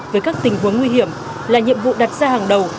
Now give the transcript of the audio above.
với các tình huống nguy hiểm là nhiệm vụ đặt ra hàng đầu